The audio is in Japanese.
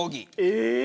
え？